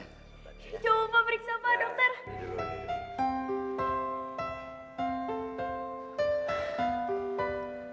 coba periksa pak dokter